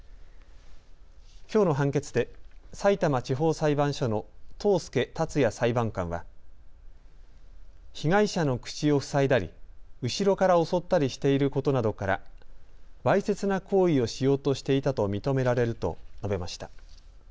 きょうの判決でさいたま地方裁判所の任介辰哉裁判官は被害者の口を塞いだり後ろから襲ったりしていることなどからわいせつな行為をしようとしていたと認められると述べました。